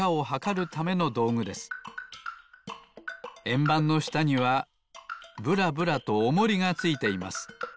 えんばんのしたにはぶらぶらとおもりがついています。